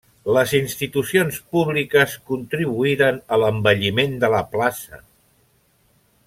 Les institucions públiques contribuïren a l'embelliment de la plaça.